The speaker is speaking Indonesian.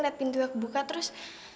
ya udah aku buka terus